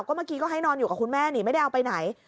เมื่อกี้ก็ให้นอนอยู่กับคุณแม่นี่ไม่ได้เอาไปไหน